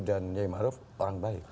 dan yai maruf orang baik